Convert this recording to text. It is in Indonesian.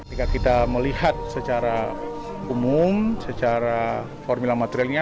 ketika kita melihat secara umum secara formula materialnya